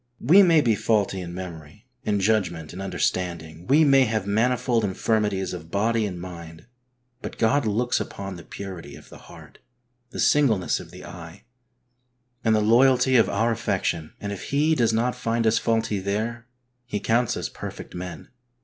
We may be faulty in memory, in judgment, in understanding, we may have manifold infirmities of body and mind, but God looks upon the purity of the heart, the singleness HOLINESS : WHAT IT IS NOT AND WHAT IT IS. 9 of the eye, and the loyalty of our affection and if He does not find us faulty there, He counts us perfect men.